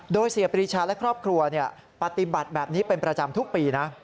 โดยเสียปรีชาและครอบครัวปฏิบัติแบบนี้เป็นประจำทุกปีนะ